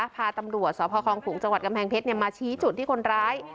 พาตำรวจสพคลองขุงจังหวัดกำแพงเพชรมาชี้จุดที่คนร้าย